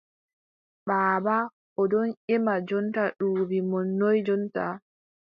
Baaba, o ɗon ƴema jonta duuɓi mon noy jonta ?